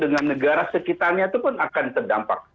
dengan negara sekitarnya itu pun akan terdampak